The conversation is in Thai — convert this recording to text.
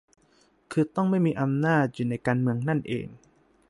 คือต้องไม่มีอำนาจอยู่ในการเมืองนั่นเอง